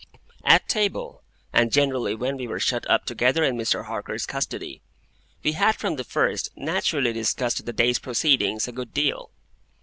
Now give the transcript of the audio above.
At table, and generally when we were shut up together in Mr. Harker's custody, we had from the first naturally discussed the day's proceedings a good deal.